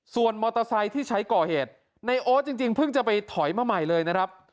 ส่วนมอเตอร์ไซค์ที่ใช้ก่อเหตุในโอ๊ตจริงเพิ่งจะไปถอยมาใหม่เลยนะครับ